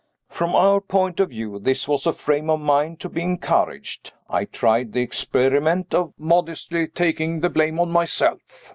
From our point of view this was a frame of mind to be encouraged. I tried the experiment of modestly taking the blame on myself.